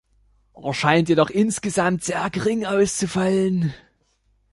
Er scheint jedoch insgesamt sehr gering auszufallen.